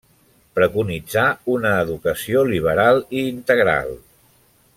Preconitzà una educació liberal i integral.